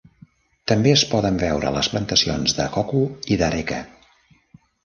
També es poden veure les plantacions de coco i d'areca.